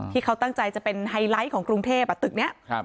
ที่เขาตั้งใจจะเป็นไฮไลท์ของกรุงเทพตึกนี้